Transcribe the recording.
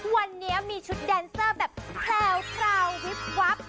วันนี้มีชุดแดนเซอร์แบบแพลววิบวับ